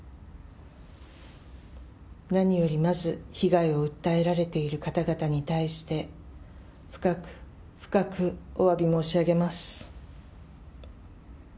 何よりまず被害を訴えられている方々に対して、深く深くおわび申し上げます。